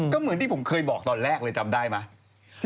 ก็เหมือนที่ผมเคยบอกตอนแรกเลยจำได้ไหม